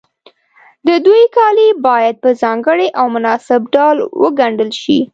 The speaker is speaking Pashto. د دوی کالي باید په ځانګړي او مناسب ډول وګنډل شي.